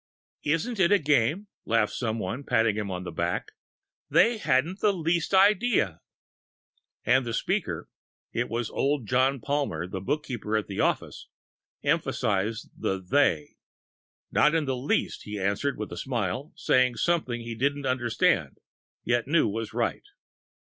"Isn't it a game?" laughed some one, patting him on the back. "They haven't the least idea...!" And the speaker it was old John Palmer, the bookkeeper at the office emphasised the "they." "Not the least idea," he answered with a smile, saying something he didn't understand, yet knew was right.